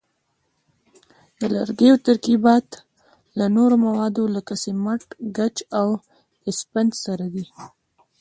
د لرګیو ترکیبات له نورو موادو لکه سمنټ، ګچ او اسفنج سره دي.